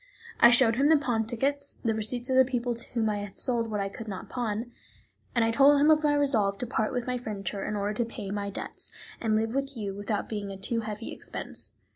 I showed him the pawn tickets, the receipts of the people to whom I had sold what I could not pawn; I told him of my resolve to part with my furniture in order to pay my debts, and live with you without being a too heavy expense.